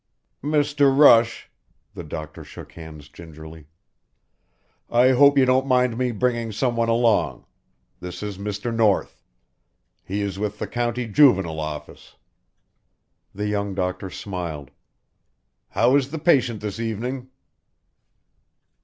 "Mr. Rush " the doctor shook hands gingerly, "I hope you don't mind me bringing someone along this is Mr. North. He is with the County Juvenile Office." The young doctor smiled. "How is the patient this evening?"